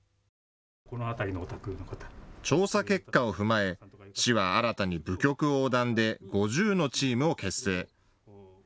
調査結果を踏まえ市は新たに部局横断で５０のチームを結成。